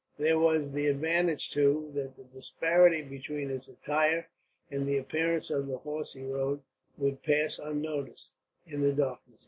There was the advantage, too, that the disparity between his attire and the appearance of the horse he rode would pass unnoticed, in the darkness.